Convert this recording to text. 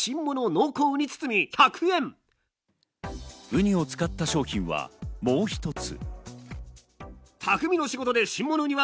ウニを使った商品はもう一つ。